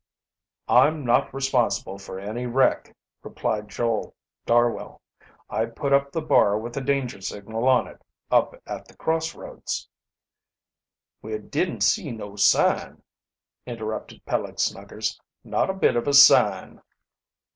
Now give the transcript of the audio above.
"I'm not responsible for any wreck," replied Joel Darwell. "I put up the bar with the danger signal on it, up at the cross roads." "We didn't see no sign," interrupted Peleg Snuggers. "Not a bit of a sign."